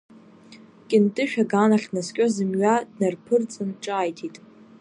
Кьынтышә аганахь днаскьо зымҩа днарԥырҵын ҿааиҭит…